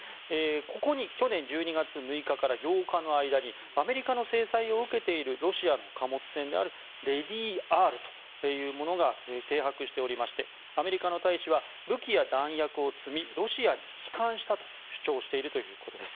ここに去年１２月６日から８日の間にアメリカの制裁を受けているロシアの貨物船である「レディーＲ」というものが停泊しておりましてアメリカの大使は武器や弾薬を積みロシアに帰還したと主張しているということです。